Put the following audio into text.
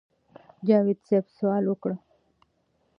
جاوېد صېب سوال وکړۀ